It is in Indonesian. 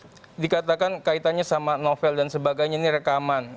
nah kemudian juga dikatakan kaitannya sama novel dan sebagainya ini rekaman